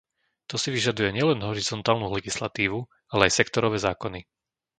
To si vyžaduje nielen horizontálnu legislatívu, ako aj sektorové zákony.